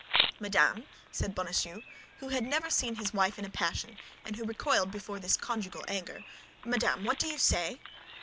"Madame," said Bonacieux, who had never seen his wife in a passion, and who recoiled before this conjugal anger, "madame, what do you say?"